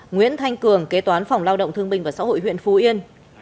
nguyễn thanh cường kế toán phòng lao động thương minh và xã hội huyện phú yên